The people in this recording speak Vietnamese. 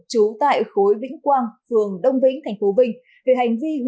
chú tại khối vĩnh quang phường đông vĩnh tp vinh